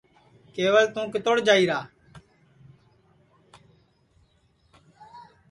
کیول تُو کِتوڑ جائیرا